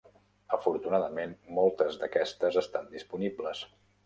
Afortunadament, moltes d'aquestes estan disponibles.